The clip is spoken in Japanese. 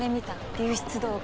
流出動画。